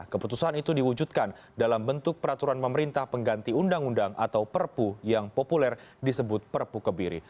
keputusan itu diwujudkan dalam bentuk peraturan pemerintah pengganti undang undang atau perpu yang populer disebut perpu kebiri